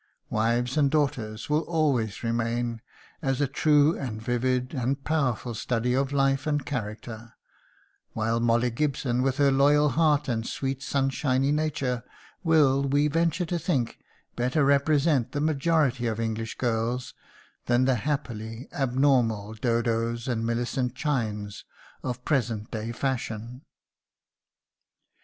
"Wives and Daughters" will always remain as a true and vivid and powerful study of life and character; while Molly Gibson, with her loyal heart and sweet sunshiny nature, will, we venture to think, better represent the majority of English girls than the happily abnormal Dodos and Millicent Chynes of present day fashion.